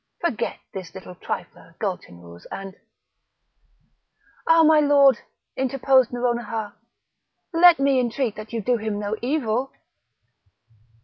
Forget this little trifler, Gulchenrouz, and—" "Ah! my lord!" interposed Nouronihar, "let me entreat that you do him no evil."